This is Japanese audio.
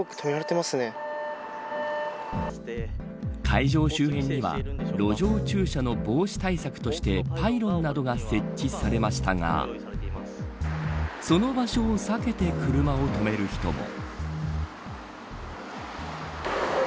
会場周辺には路上駐車の防止対策としてパイロンなどが設置されましたがその場所を避けて車を止める人も。